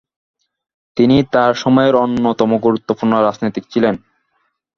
তিনি তার সময়ের অন্যতম গুরুত্বপূর্ণ রাজনীতিক ছিলেন।